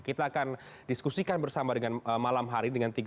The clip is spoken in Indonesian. kita akan diskusikan bersama dengan malam hari dengan tim liputan